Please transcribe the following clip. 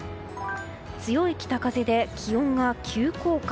強い北風で気温が急降下。